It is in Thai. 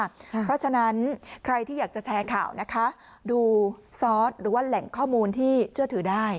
เพราะฉะนั้นใครที่อยากจะแชร์ข่าวนะคะดูซอสหรือว่าแหล่งข้อมูลที่เชื่อถือได้